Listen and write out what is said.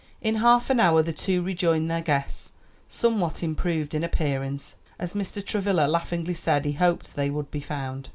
In half an hour the two rejoined their guests, "somewhat improved in appearance," as Mr. Travilla laughingly said he hoped they would be found.